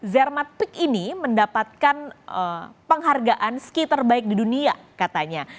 zermat peak ini mendapatkan penghargaan ski terbaik di dunia katanya